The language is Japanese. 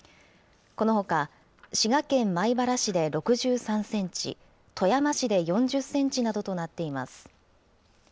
このほか滋賀県米原市で６３センチ、富山市で４０センチなどとなっています。